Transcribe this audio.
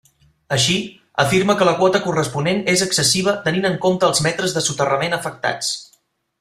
Així, afirma que la quota corresponent és excessiva tenint en compte els metres de soterrament afectats.